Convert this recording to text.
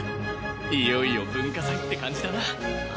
いよいよ文化祭って感じだなあ